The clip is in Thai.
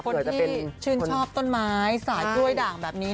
คนที่ชื่นชอบต้นไม้สายกล้วยด่างแบบนี้